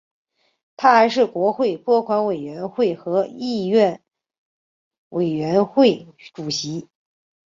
他还是国会拨款委员会和议院委员会主席。